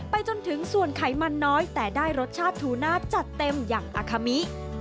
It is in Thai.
จนถึงส่วนไขมันน้อยแต่ได้รสชาติทูน่าจัดเต็มอย่างอาคามิ